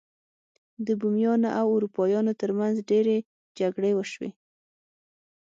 د بومیانو او اروپایانو ترمنځ ډیرې جګړې وشوې.